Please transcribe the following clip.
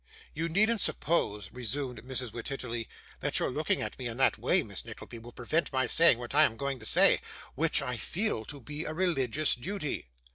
'You needn't suppose,' resumed Mrs. Wititterly, 'that your looking at me in that way, Miss Nickleby, will prevent my saying what I am going to say, which I feel to be a religious duty.